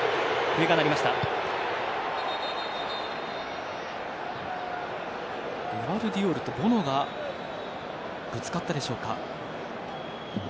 グヴァルディオルとボノがぶつかったでしょうか。